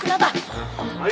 siap siap buat kun anta